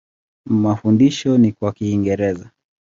Mafundisho ni kwa Kiingereza.